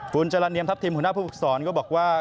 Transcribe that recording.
ฟูนจรณ์เนียมทัพทีมหัวหน้าภูกษรก็บอกว่า